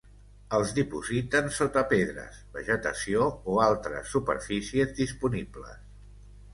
Els dipositen sota pedres, vegetació o altres superfícies disponibles.